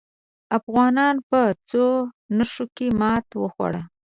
افغانانو په څو نښتو کې ماته وخوړه.